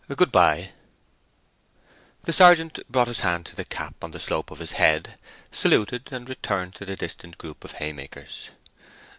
"Good bye!" The sergeant brought his hand to the cap on the slope of his head, saluted, and returned to the distant group of haymakers.